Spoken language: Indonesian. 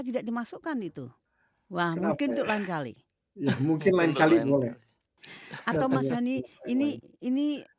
tidak dimasukkan itu wah mungkin tukang kali mungkin lain kali boleh atau masani ini ini